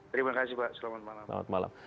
terima kasih pak selamat malam